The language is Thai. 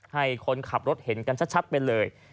ให้คนขับรถเห็นกันชัดไปเลย